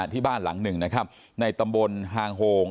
ที่บ้านหลังหนึ่งนะครับในตำบลหางโฮง